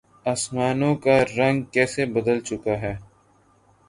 آسمانوں کا رنگ کیسے بدل چکا ہے۔